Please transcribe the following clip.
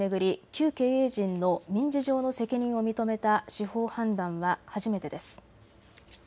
旧経営陣の民事上の責任を認めた司法判断は初めてです。